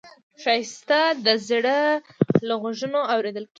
ښایست د زړه له غوږونو اورېدل کېږي